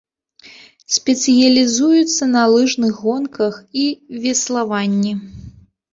Спецыялізуецца на лыжных гонках і веславанні.